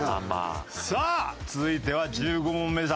さあ続いては１５問目です。